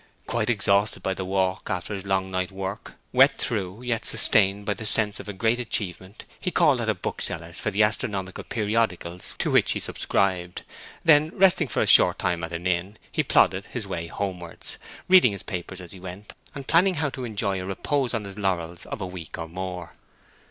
Quite exhausted by the walk, after his long night work, wet through, yet sustained by the sense of a great achievement, he called at a bookseller's for the astronomical periodicals to which he subscribed; then, resting for a short time at an inn, he plodded his way homewards, reading his papers as he went, and planning how to enjoy a repose on his laurels of a week or more.